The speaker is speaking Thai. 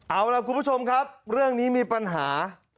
เอาล่ะคุณผู้ชมครับเรื่องนี้มีปัญหา